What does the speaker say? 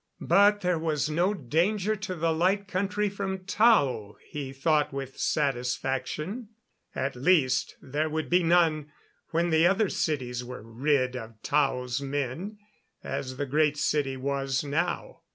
But there was no danger to the Light Country from Tao, he thought with satisfaction. At least, there would be none when the other cities were rid of Tao's men, as the Great City was now.